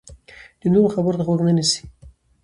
د نورو خبرو ته غوږ نه نیسي.